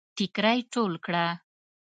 ټيکړی ټول کړه